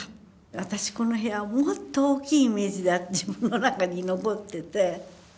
私この部屋もっと大きいイメージで自分の中に残ってて。